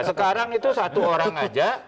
sekarang itu satu orang aja